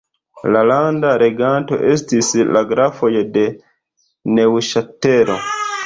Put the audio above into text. La landa reganto estis la grafoj de Neŭŝatelo.